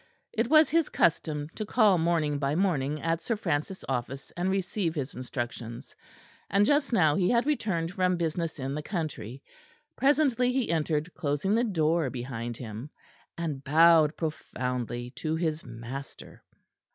It was his custom to call morning by morning at Sir Francis' office and receive his instructions; and just now he had returned from business in the country. Presently he entered, closing the door behind him, and bowed profoundly to his master.